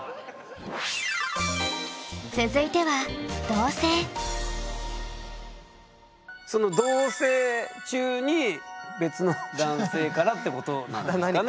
続いてはその同棲中に「別の男性から」ってことなんですかね？